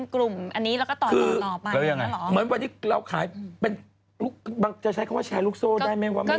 ก็คือขายเป็นกลุ่มอันนี้เราก็ต่อมาอีกหล่อไป